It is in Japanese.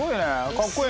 かっこいい。